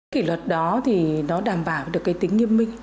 kỷ luật đó thì nó đảm bảo được cái tính nghiêm minh